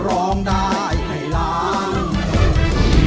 ร้องได้ให้ล้าน